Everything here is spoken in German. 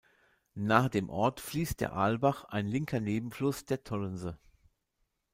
Nahe dem Ort fließt der Aalbach, ein linker Nebenfluss der Tollense.